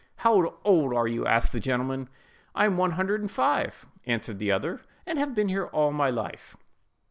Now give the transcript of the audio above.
"How old are you?" asked the gentleman. "I am one hundred and five," answered the other; "and have been here all my life."